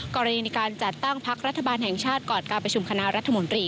กรณีในการจัดตั้งพักรัฐบาลแห่งชาติก่อนการประชุมคณะรัฐมนตรี